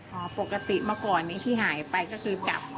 อ๋อปกติมาก่อนที่หายไปก็คือจับ